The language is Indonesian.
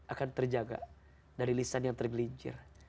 akan terjaga dari lisan yang tergelincir